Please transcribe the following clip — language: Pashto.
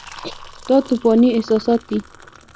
دا توپاني احساسات دي.